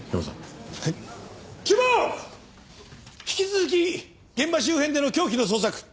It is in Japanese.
引き続き現場周辺での凶器の捜索